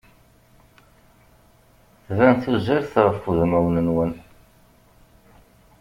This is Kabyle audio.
Tban tuzert ɣef udmawen-nwen.